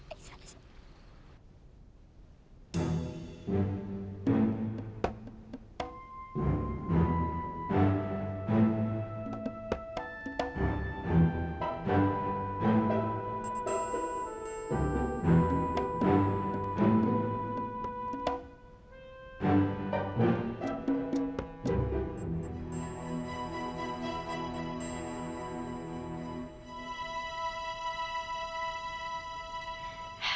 eh salah salah